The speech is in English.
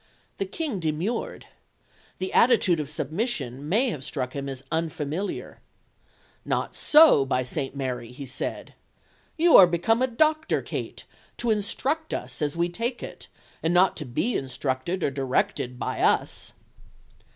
The King demurred. The attitude of submission may have struck him as unfamiliar. "Not so, by St. Mary," he said. "You are become a doctor, Kate, to instruct us, as we take it, and not to be instructed or directed by us."